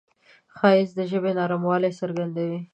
ښایست د ژبې نرموالی څرګندوي